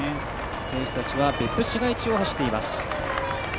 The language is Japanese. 選手たちは別府市街地を走っています。